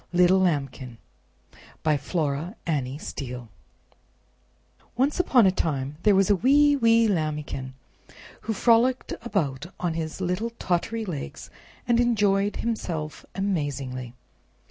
THE LAMBIKIN By Flora Annie Steel Once upon a time there was a wee wee Lambikin, who frolicked about on his little tottery legs, and enjoyed himself amazingly.